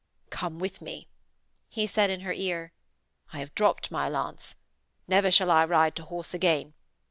'Come with me,' he said in her ear. 'I have dropped my lance. Never shall I ride to horse again.